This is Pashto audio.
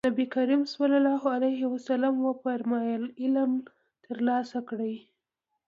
نبي کريم ص وفرمايل علم ترلاسه کړئ.